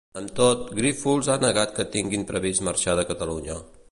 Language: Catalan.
Amb tot, Grífols ha negat que tinguin previst marxar de Catalunya.